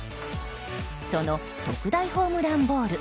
その特大ホームランボール